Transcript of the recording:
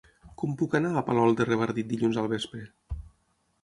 Com puc anar a Palol de Revardit dilluns al vespre?